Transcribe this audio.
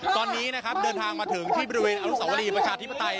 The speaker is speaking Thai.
ตอนนี้นะครับเดินทางมาถึงที่บริเวณอนุสาวรีประชาธิปไตย